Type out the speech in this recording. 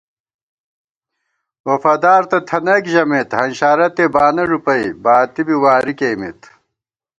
وفادار تہ تھنَئیک ژَمېت، ہنشارَتے بانہ ݫُپَئ باتی بی واری کېئیمېت